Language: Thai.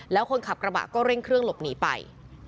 แล้วคนขับกระบะก็เร่งเครื่องหลบหนีไป